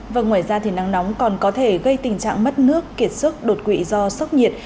và ngoài ra thì nắng nóng còn có thể gây tình trạng mất nước kiệt sức đột quỵ do sốc nhiệt